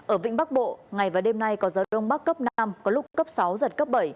ở vịnh bắc bộ ngày và đêm nay có gió đông bắc cấp năm có lúc cấp sáu giật cấp bảy